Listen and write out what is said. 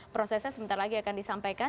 prosesnya sebentar lagi akan disampaikan